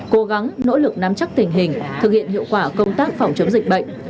cố gắng nỗ lực nắm chắc tình hình thực hiện hiệu quả công tác phòng chống dịch bệnh